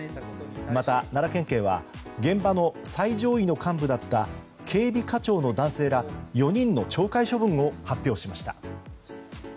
また、奈良県警は現場の最上位の幹部だった警備課長の男性ら４人の懲戒処分を発表しました。